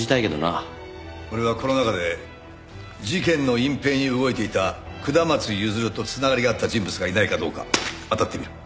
俺はこの中で事件の隠蔽に動いていた下松譲と繋がりがあった人物がいないかどうかあたってみる。